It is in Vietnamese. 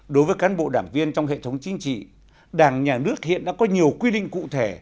đối với cán bộ đảng viên trong hệ thống chính trị đảng nhà nước hiện đã có nhiều quy định cụ thể